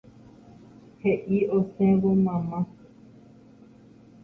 He'i osẽvo mamá.